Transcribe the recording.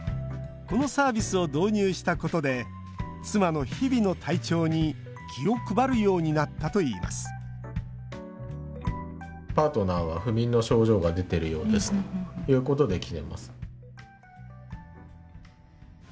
このサービスを導入したことで妻の日々の体調に気を配るようになったといいます「パートナーは不眠の症状が出ているようです」ということで来てます。